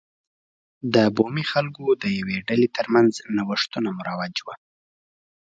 د بومي خلکو د یوې ډلې ترمنځ نوښتونه مروج و.